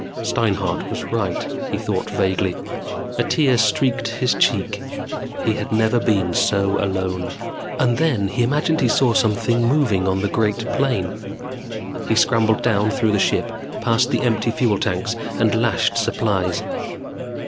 _ Steinhart was right, he thought vaguely. A tear streaked his cheek. He had never been so alone. And then he imagined he saw something moving on the great plain. He scrambled down through the ship, past the empty fuel tanks and the lashed supplies.